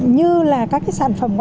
như là các loại đồng trùng hạ thảo